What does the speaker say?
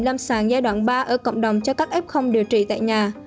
lâm sàng giai đoạn ba ở cộng đồng cho các f điều trị tại nhà